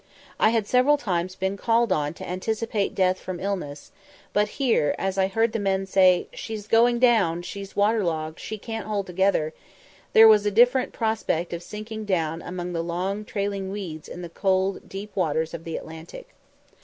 I had several times been called on to anticipate death from illness; but here, as I heard the men outside say, "She's going down, she's water logged, she can't hold together," there was a different prospect of sinking down among the long trailing weeds in the cold, deep waters of the Atlantic.